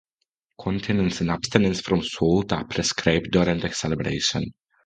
Continence and abstinence from salt are prescribed during the celebration.